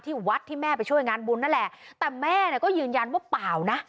วัดที่แม่ไปช่วยงานบุญนั่นแหละแต่แม่เนี่ยก็ยืนยันว่าเปล่านะ